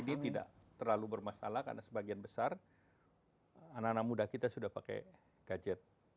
tidak terlalu bermasalah karena sebagian besar anak anak muda kita sudah pakai gadget